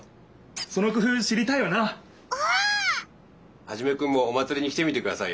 ハジメくんもお祭りに来てみてくださいよ。